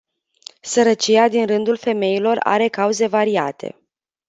Sărăcia din rândul femeilor are cauze variate.